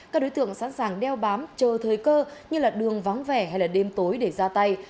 các đối tượng sẵn sàng đeo bám chờ thời cơ như là đường vắng vẻ hay đêm tối để ra tay